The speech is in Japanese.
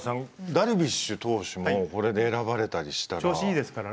ダルビッシュ投手もこれで選ばれたりしたら。